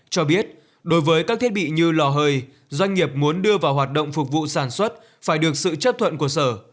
cho biết đối với các thiết bị như lò hơi doanh nghiệp muốn đưa vào hoạt động phục vụ sản xuất phải được sự chấp thuận của sở